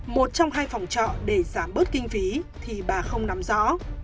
một trong hai phòng trọ để giảm bớt kinh phí thì bà không nắm rõ